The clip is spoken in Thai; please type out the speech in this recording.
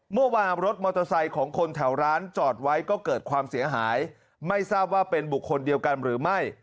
เมื่อวานรถมอเตอร์ไซค์ของคนแถวร้านจอดไว้ก็เกิดความเสียหายไม่ทราบว่าเป็นบุคคลเดียวกันหรือไม่